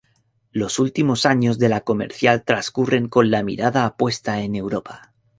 Los últimos años de La Comercial transcurren con la mirada puesta en Europa.